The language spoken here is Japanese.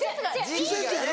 季節やな。